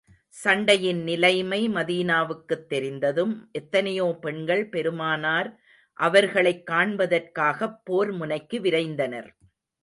சண்டையின் நிலைமை மதீனாவுக்குத் தெரிந்ததும், எத்தனையோ பெண்கள் பெருமானார் அவர்களைக் காண்பதற்காகப் போர் முனைக்கு விரைந்தனர்.